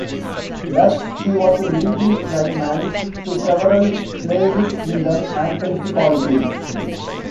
Thus, she was a leading claimant to several Slavic kingdoms and principalities.